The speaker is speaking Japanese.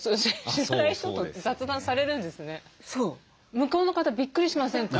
向こうの方びっくりしませんか？